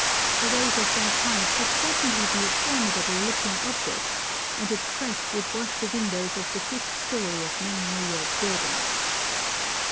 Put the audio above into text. A wave of that height would certainly be a formidable looking object, and its crest would wash the windows of the fifth story of many New York buildings.